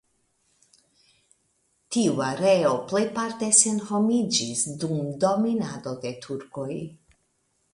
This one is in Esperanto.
Tiu areo plejparte senhomiĝis dum dominado de turkoj.